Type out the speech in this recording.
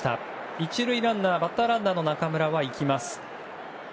１塁ランナーバッターランナーの中村は生きます。